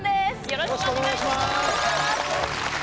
よろしくお願いします！